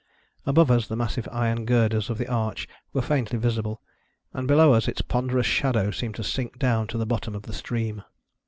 Above us, the massive iron girders of the arch were faintly visible, and below us its ponderous shadow seemed to sink down to the bottom of the stream.